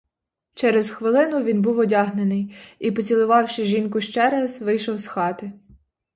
Через хвилину він був одягнений і, поцілувавши жінку ще раз, вийшов з хати.